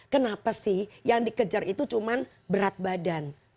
kenapa sih yang dikejar itu cuma berat badan